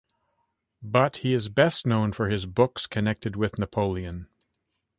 But he is best known for his books connected with Napoleon.